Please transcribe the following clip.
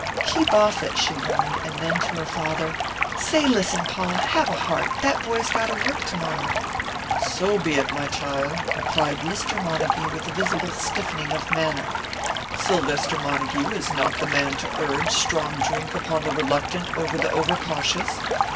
"Keep off it," she warned, and then to her father, "Say, listen, Pa, have a heart; that boy's got to work to morrow." "So be it, my child," replied Mr. Montague with a visible stiffening of manner. "Sylvester Montague is not the man to urge strong drink upon the reluctant or the over cautious.